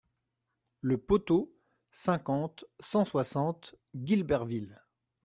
Le Poteau, cinquante, cent soixante Guilberville